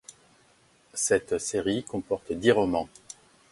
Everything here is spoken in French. Cette série comporte dix romans.